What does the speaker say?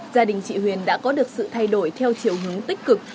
gia đình chị huyền đã có được sự thay đổi theo chiều hướng tích cực